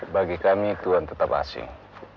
bagi kami tuhan tetap asing